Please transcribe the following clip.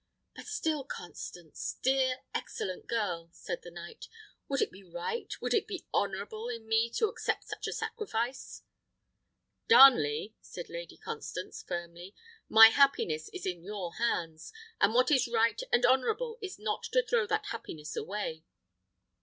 "But still, Constance, dear, excellent girl!" said the knight, "would it be right, would it be honourable, in me to accept such a sacrifice?" "Darnley," said Lady Constance, firmly, "my happiness is in your hands, and what is right and honourable is not to throw that happiness away.